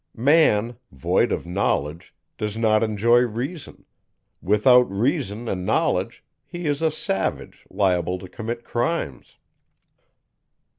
Man, void of knowledge, does not enjoy reason; without reason and knowledge, he is a savage, liable to commit crimes.